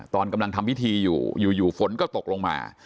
ตอนกำลังทำพิธีอยู่อยู่ฝนก็ตกลงมา